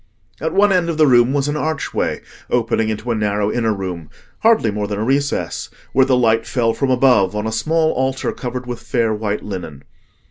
At one end of the room was an archway opening into a narrow inner room, hardly more than a recess, where the light fell from above on a small altar covered with fair white linen.